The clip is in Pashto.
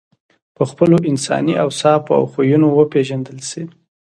په خپلو انساني اوصافو او خویونو وپېژندل شې.